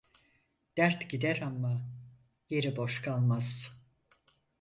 Dert gider amma yeri boş kalmaz.